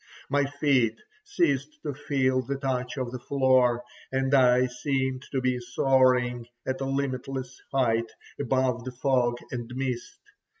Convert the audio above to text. My feet ceased to feel the touch of the floor, and I seemed to be soaring at a limitless height above the fog and mist.